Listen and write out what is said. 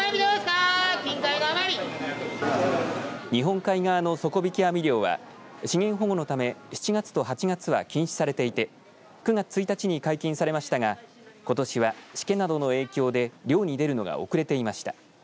日本海側の底引き網漁は資源保護のため７月と８月は禁止されていて９月１日に解禁されましたがことしはしけなどの影響で漁に出るのが遅れていました。